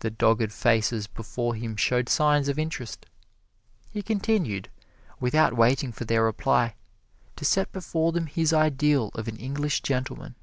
The dogged faces before him showed signs of interest. He continued, without waiting for their reply, to set before them his ideal of an English Gentleman.